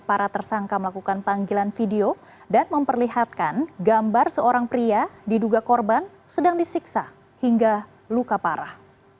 para tersangka melakukan panggilan video dan memperlihatkan gambar seorang pria diduga korban sedang disiksa hingga luka parah